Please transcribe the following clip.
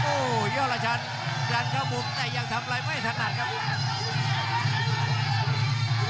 โอ้โหยอดละชั้นดันเข้ามุมแต่ยังทำอะไรไม่ถนัดครับ